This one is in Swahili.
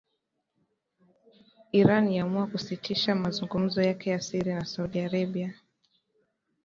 Iran yaamua kusitisha mazungumzo yake ya siri na Saudi Arabia